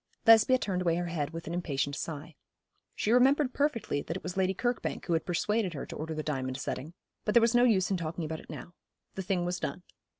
Lesbia turned away her head with an impatient sigh. She remembered perfectly that it was Lady Kirkbank who had persuaded her to order the diamond setting; but there was no use in talking about it now. The thing was done.